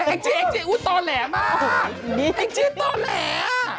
แอ๊กจีโตแหลมากแอ๊กจีโตแหล